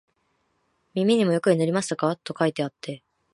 耳にもよく塗りましたか、と書いてあって、